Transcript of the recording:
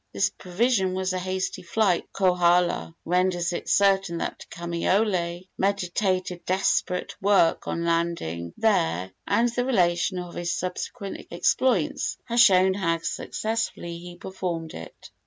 This provision for a hasty flight from Kohala renders it certain that Kamaiole meditated desperate work on landing there, and the relation of his subsequent exploits has shown how successfully he performed it.